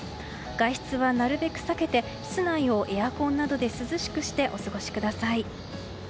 外出はなるべく避けて室内をエアコンなどで涼しくして、お過ごしください。